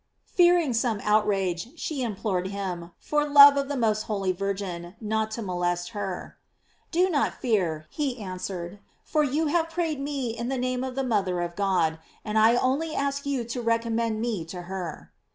Fearing some outrage, she implored him, for love of the most holy Virgin, not to molest her. "Do not fear," he answered, "for you ha\« prayed me in the name of the mother of God; and I only ask you to re commend me to her."